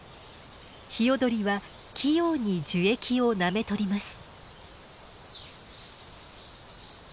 ヒヨドリは器用に樹液をなめ取ります。